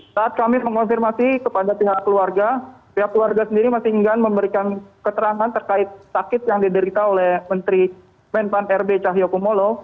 saat kami mengonfirmasi kepada pihak keluarga pihak keluarga sendiri masih enggan memberikan keterangan terkait sakit yang diderita oleh menteri menpan rb cahyokumolo